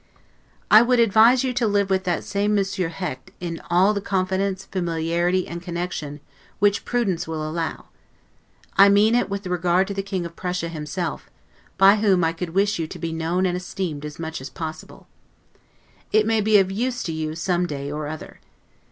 I would advise you to live with that same Monsieur Hecht in all the confidence, familiarity, and connection, which prudence will allow. I mean it with regard to the King of Prussia himself, by whom I could wish you to be known and esteemed as much as possible. It may be of use to you some day or other.